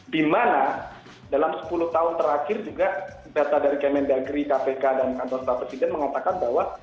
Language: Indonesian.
di mana dalam sepuluh tahun terakhir juga data dari kementerian negeri kpk dan kantor staf presiden mengatakan bahwa